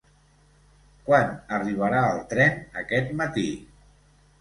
Quan arribarà el tren aquest matí?